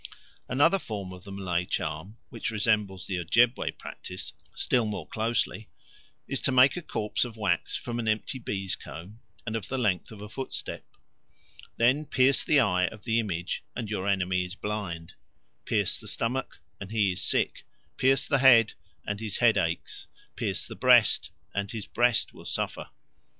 Another form of the Malay charm, which resembles the Ojebway practice still more closely, is to make a corpse of wax from an empty bees' comb and of the length of a footstep; then pierce the eye of the image, and your enemy is blind; pierce the stomach, and he is sick; pierce the head, and his head aches; pierce the breast, and his breast will suffer.